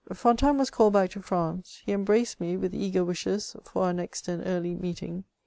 Fontanes was called back to France ; he embraced me, with ^ eager wbhes for our next and early meeting.